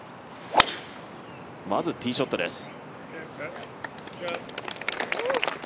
まずティーショットです。